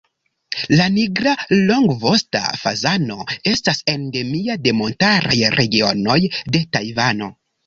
La Nigra longvosta fazano estas endemia de montaraj regionoj de Tajvano.